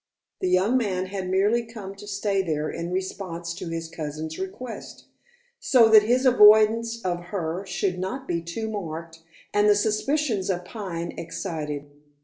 The young man had merely come to stay there in response to his cousin's request, so that his avoidance of her should not be too marked, and the suspicions of Pine excited.